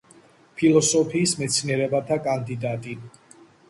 ფილოსოფიის მეცნიერებათა კანდიდატი.